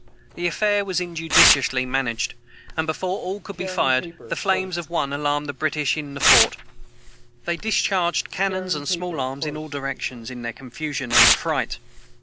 The affair was injudiciously managed, and, before all could be fired, the flames of one alarmed the British in the fort. They discharged cannons and small arms in all directions, in their confusion and affright.